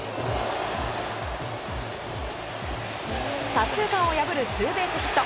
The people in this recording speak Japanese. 左中間を破るツーベースヒット。